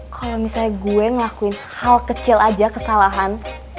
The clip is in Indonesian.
kalau misalnya gue ngelakuin hal kecil aja kesalahan